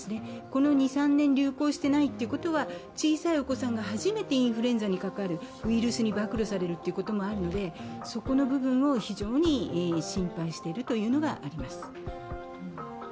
この２３年、流行していないということは小さいお子さんが初めてインフルエンザにかかる、ウイルスに曝露されるということもあるので、そこの部分を非常に心配しているというのがあります。